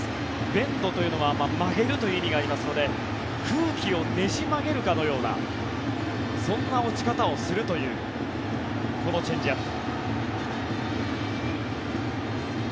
ベンドというのは曲げるという意味がありますので空気を捻じ曲げるかのようなそんな落ち方をするというこのチェンジアップ。